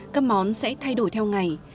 các món sẽ thay đổi theo ngày